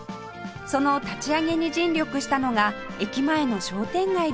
その立ち上げに尽力したのが駅前の商店街でした